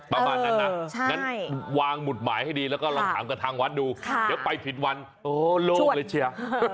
ประมาณนั้นนะงั้นวางหมุดหมายให้ดีแล้วก็ลองถามกับทางวัดดูเดี๋ยวไปผิดวันโอ้โล่งเลยเชีย